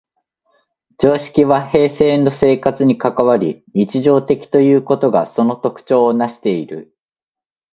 常識は平生の生活に関わり、日常的ということがその特徴をなしている。